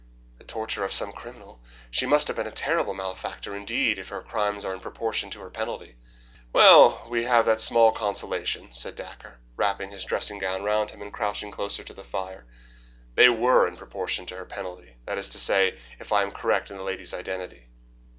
"The torture of some criminal. She must have been a terrible malefactor indeed if her crimes are in proportion to her penalty." "Well, we have that small consolation," said Dacre, wrapping his dressing gown round him and crouching closer to the fire. "They WERE in proportion to her penalty. That is to say, if I am correct in the lady's identity."